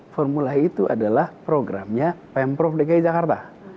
formula e itu adalah programnya pemprov dki jakarta